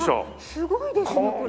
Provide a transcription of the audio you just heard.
すごいですねこれ。